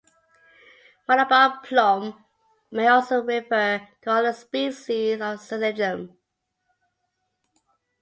Malabar plum may also refer to other species of "Syzygium".